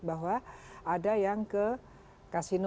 bahwa ada yang ke kasino